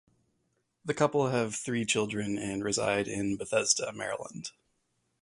The couple have three children, and reside in Bethesda, Maryland.